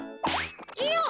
いよっ！